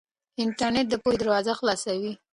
انټرنيټ د پوهې دروازې خلاصوي.